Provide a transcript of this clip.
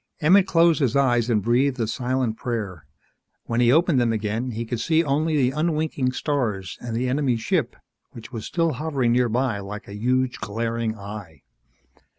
Emmett closed his eyes and breathed a silent prayer. When he opened them again he could see only the unwinking stars and the enemy ship, which was still hovering nearby like a huge glaring eye.